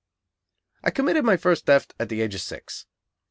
I committed my first theft at the age of six.